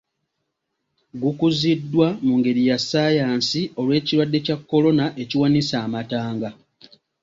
Gukuziddwa mu ngeri ya ssayansi olw’ekirwadde kya Corona ekiwanise amatanga.